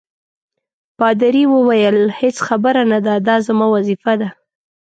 پادري وویل: هیڅ خبره نه ده، دا زما وظیفه ده.